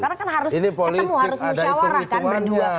karena kan harus ketemu harus musyawarah kan berdua